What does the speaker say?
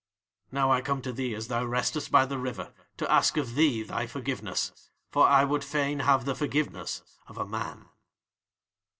"'Now I come to thee as thou restest by the river to ask of thee thy forgiveness, for I would fain have the forgiveness of a man.'